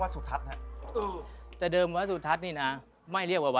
วัดสุทัศน์นี้จริงแล้วอยู่มากี่ปีตั้งแต่สมัยราชการไหนหรือยังไงครับ